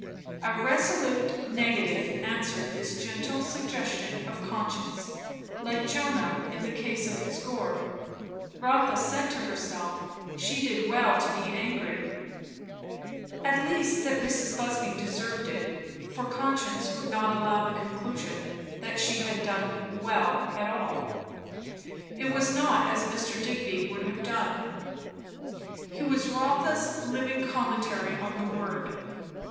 A resolute negative answered this gentle suggestion of conscience; like Jonah in the case of his gourd, Rotha said to herself she did well to be angry. At least that Mrs. Busby deserved it; for conscience would not allow the conclusion that she had done "well," at all. It was not as Mr. Digby would have done. He was Rotha's living commentary on the word.